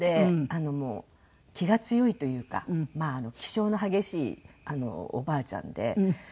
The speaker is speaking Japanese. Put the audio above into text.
もう気が強いというか気性の激しいおばあちゃんで。